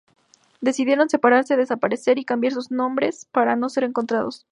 Decidieron separarse, desaparecer y cambiar sus nombre para no ser encontrados.